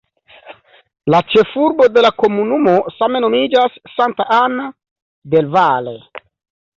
La ĉefurbo de la komunumo same nomiĝas "Santa Ana del Valle".